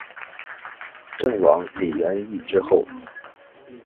郑王李元懿之后。